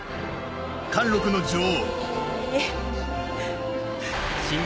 貫録の女王。